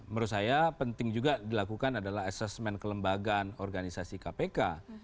menurut saya penting juga dilakukan adalah asesmen kelembagaan organisasi kpk